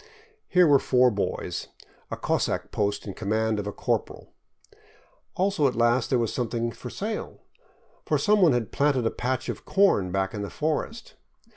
Here were four boys, a cossack post in command of a corporal ; also at last there was something for sale, for some one had planted a patch of corn back in the forest.